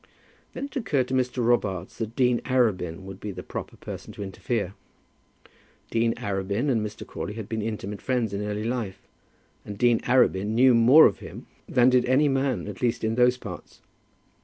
Then it occurred to Mr. Robarts that Dean Arabin would be the proper person to interfere. Dean Arabin and Mr. Crawley had been intimate friends in early life, and Dean Arabin knew more of him than did any man, at least in those parts.